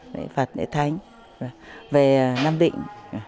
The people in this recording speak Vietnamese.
để phạt để thanh về nam định